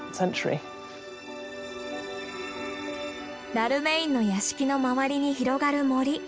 ダルメインの屋敷の周りに広がる森。